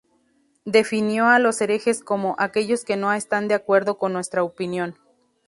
Definió a los herejes como "aquellos que no están de acuerdo con nuestra opinión".